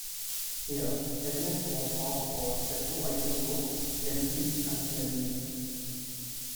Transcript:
Here evidence was found for the two isotopes Lv and Lv.